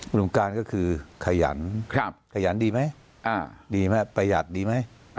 หนุ่มการก็คือขยันขยันดีไหมดีไหมประหยัดดีไหม